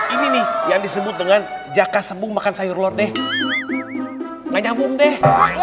ini yang disebut dengan jaka sembung makan sayur lot deh nyambung deh